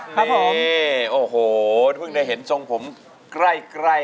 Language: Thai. ถ้าตอบถูกแบบนี้